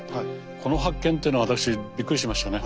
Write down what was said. この発見っていうのは私びっくりしましたね。